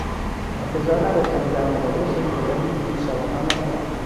انتظار نداشتم که در مقابل چنین قدرتی پیروز شوم اما شدم!